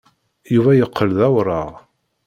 Yuba yeqqel d awraɣ.